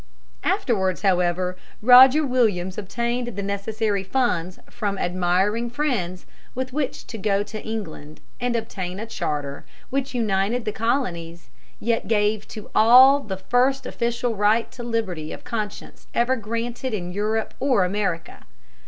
] Afterwards, however, Roger Williams obtained the necessary funds from admiring friends with which to go to England and obtain a charter which united the Colonies yet gave to all the first official right to liberty of conscience ever granted in Europe or America.